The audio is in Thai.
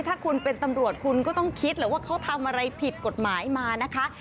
ถ้าคุณเป็นตำรวจคุณก็ต้องคิดแหละว่าเขาทำอะไรผิดกฎหมายมานะคะ